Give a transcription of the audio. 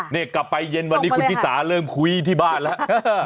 นี่กลับไปเย็นวันนี้คุณชิสาเริ่มคุยที่บ้านแล้ว